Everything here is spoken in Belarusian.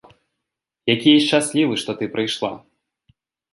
Які я шчаслівы, што ты прыйшла.